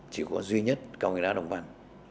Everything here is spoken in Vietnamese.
chỉ có duy nhất cao nguyên đá đồng văn